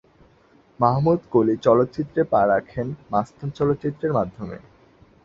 মাহমুদ কলি চলচ্চিত্রে পা রাখেন মাস্তান চলচ্চিত্রের মাধ্যমে।